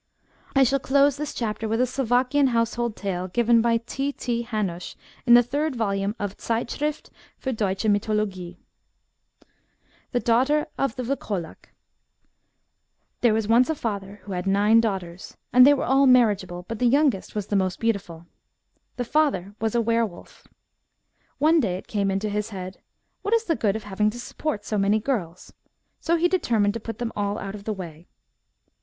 I shall close this chapter with a Slovakian house hold tale given by T. T. Hanush in the third volume of Zeitschrift fiir Deutsche Mythologie. CJe IBaugStet of tje TJlftolaft. " There was once a father, who had nine daughters, and they were all marriageable, but the youngest was the most beautiful. The father was a were wolf. One day it came into his head :* What is the good of having to support so many girls ?' so he determined to put them all out of the way.